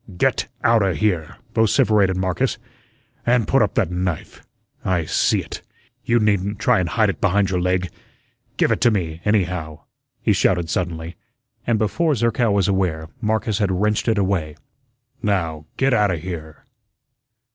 "Get outa here," vociferated Marcus, "an' put up that knife. I see it; you needn't try an' hide it behind your leg. Give it to me, anyhow," he shouted suddenly, and before Zerkow was aware, Marcus had wrenched it away. "Now, get outa here."